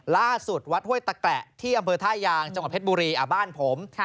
ล่าสุดวัดห้วยตะแกละที่อำเภอท่ายางจังหวัดเพชรบุรีบ้านผม